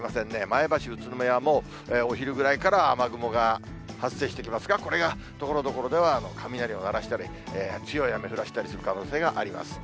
前橋、宇都宮ももうお昼ぐらいから、雨雲が発生してきますが、これがところどころでは雷を鳴らしたり、強い雨降らしたりする可能性があります。